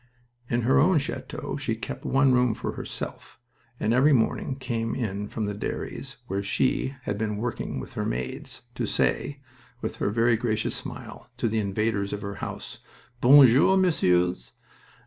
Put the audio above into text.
In her own chateau she kept one room for herself, and every morning came in from the dairies, where she had been working with her maids, to say, with her very gracious smile, to the invaders of her house: "Bon jour, messieurs!